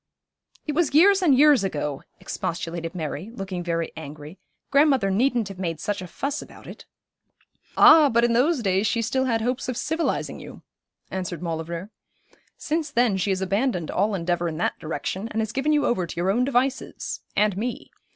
'It was years and years ago,' expostulated Mary, looking very angry. 'Grandmother needn't have made such a fuss about it.' 'Ah, but in those days she still had hopes of civilising you,' answered Maulevrier. 'Since then she has abandoned all endeavour in that direction, and has given you over to your own devices and me.